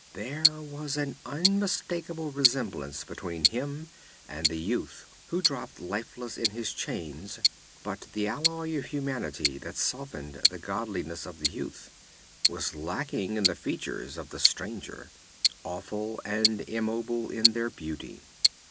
There was an unmistakable resemblance between him and the youth who dropped lifeless in his chains, but the alloy of humanity that softened the godliness of the youth was lacking in the features of the stranger, awful and immobile in their beauty.